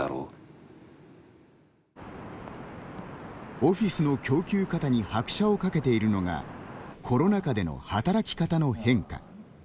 オフィスの供給過多に拍車をかけているのがコロナ禍での働き方の変化。